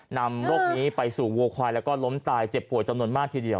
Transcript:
นำโรคนี้ไปสู่วัวควายแล้วก็ล้มตายเจ็บป่วยจำนวนมากทีเดียว